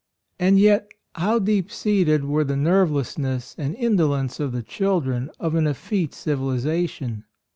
And yet how deep seated AND MOTHER. 7 were the nervelessness and indolence of the children of an effete civilization